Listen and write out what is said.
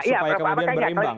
supaya kemudian berimbang